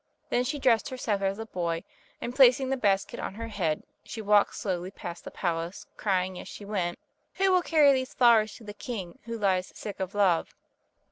Then she dressed herself as a boy, and placing the basket on her head, she walked slowly past the palace, crying as she went: "Who will carry these flowers to the king, who lies sick of love?"